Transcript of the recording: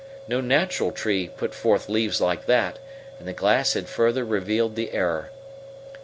No natural tree put forth leaves like that, and the glass had further revealed the error.